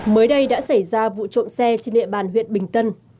mới đây đã xảy ra vụ trộm xe trên địa bàn huyện bình tân